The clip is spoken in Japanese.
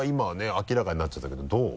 明らかになっちゃったけどどう？